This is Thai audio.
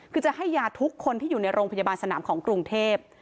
คือจะให้ยาทุกคนที่อยู่ในโรงพยาบาลสนามของกรุงเทพ